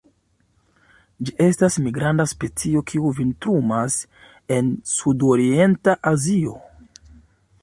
Ĝi estas migranta specio, kiu vintrumas en sudorienta Azio.